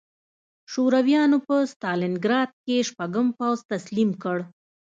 شورویانو په ستالینګراډ کې شپږم پوځ تسلیم کړ